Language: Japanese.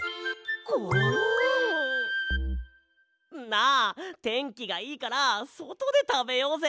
なあてんきがいいからそとでたべようぜ！